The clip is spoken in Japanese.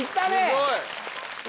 すごい！